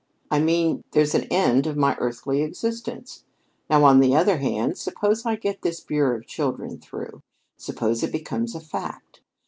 "I mean, there's an end of my earthly existence. Now, on the other hand, suppose I get this Bureau for Children through. Suppose it becomes a fact.